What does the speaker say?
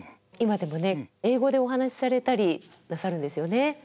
今でもね英語でお話しされたりなさるんですよね。